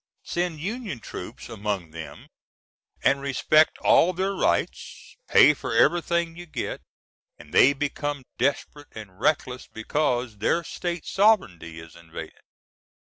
Send Union troops among them and respect all their rights, pay for everything you get, and they become desperate and reckless because their state sovereignty is invaded.